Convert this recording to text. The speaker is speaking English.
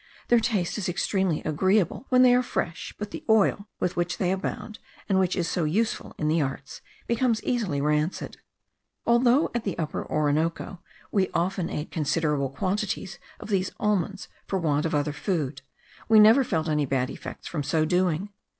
Their taste is extremely agreeable when they are fresh; but the oil, with which they abound, and which is so useful in the arts, becomes easily rancid. Although at the Upper Orinoco we often ate considerable quantities of these almonds for want of other food, we never felt any bad effects from so doing.